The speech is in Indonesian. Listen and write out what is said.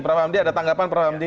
prof hamdi ada tanggapan prof hamdi